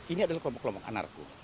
ini adalah kelompok kelompok anarko